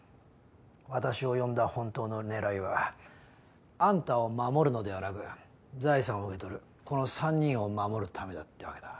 私を呼んだ本当の狙いはあんたを守るのではなく財産を受け取るこの３人を守るためだってわけだ。